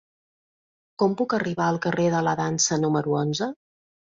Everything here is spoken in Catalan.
Com puc arribar al carrer de la Dansa número onze?